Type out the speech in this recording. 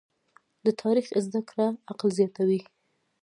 د تاریخ زده کړه عقل زیاتوي.